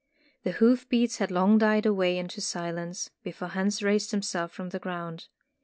The hoof beats had long died away into silence, before Hans raised himself from the ground.